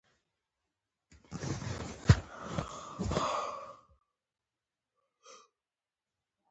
عصري تعلیم مهم دی ځکه چې د موبايل بانکدارۍ ګټې ښيي.